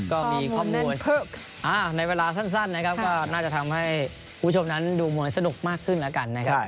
ก็มีข้อมูลเพิ่มในเวลาสั้นนะครับก็น่าจะทำให้คุณผู้ชมนั้นดูมวยสนุกมากขึ้นแล้วกันนะครับ